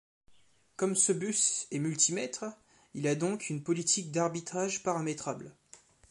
Comme ce bus est multi maîtres, il a donc une politique d’arbitrage paramétrable.